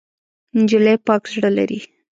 نجلۍ پاک زړه لري.